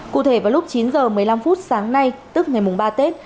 cụ thể vào lúc chín h một mươi năm phút sáng nay tức ngày mùng ba tết